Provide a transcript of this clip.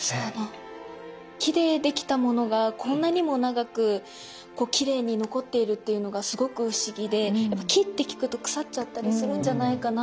木で出来たものがこんなにも長くきれいに残っているっていうのがすごく不思議でやっぱ木って聞くと腐っちゃったりするんじゃないかなとか。